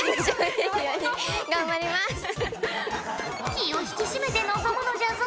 気を引き締めて臨むのじゃぞ！